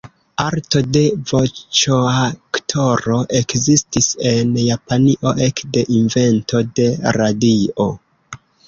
Arto de voĉoaktoro ekzistis en Japanio ekde invento de radio.